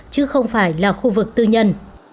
chứ không phải là khu vực tư nhân